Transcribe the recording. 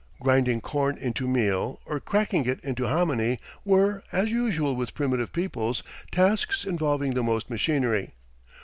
Grinding corn into meal, or cracking it into hominy, were, as usual with primitive peoples, tasks involving the most machinery.